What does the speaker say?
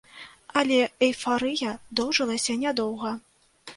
Але эйфарыя доўжылася нядоўга.